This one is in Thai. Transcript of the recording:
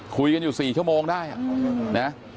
คุยกันอยู่๔ชั่วโมงได้นะ